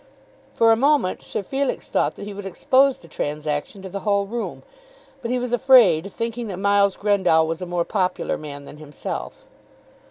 For a moment Sir Felix thought that he would expose the transaction to the whole room; but he was afraid, thinking that Miles Grendall was a more popular man than himself.